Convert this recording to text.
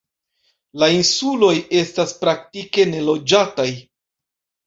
La insuloj estas praktike neloĝataj.